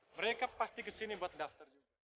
mereka pasti kesini buat daftar juga